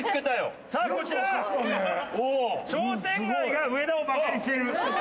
さあこちら商店街が上田をバカにしている。